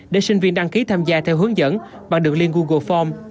để sinh viên đăng ký tham gia theo hướng dẫn bằng đường liên google farm